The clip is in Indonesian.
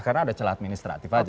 karena ada celah administratif aja